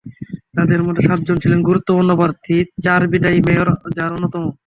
তাঁদের মধ্যে সাতজন ছিলেন গুরুত্বপূর্ণ প্রার্থী, চার বিদায়ী মেয়র যার অন্যতম।